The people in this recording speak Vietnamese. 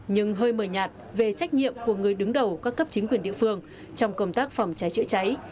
nhưng hơi mờ nhạt về trách nhiệm của người đứng đầu các cấp chính quyền địa phương trong công tác phòng cháy chữa cháy